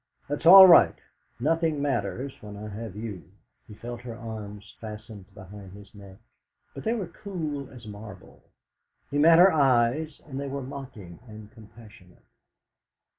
"That's all right; nothing matters when I have you." He felt her arms fasten behind his neck, but they were cool as marble; he met her eyes, and they were mocking and compassionate.